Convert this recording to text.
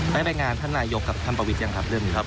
ไปบรรยายงานท่านนายยกกับท่านประวิทย์ยังครับเรื่องนี้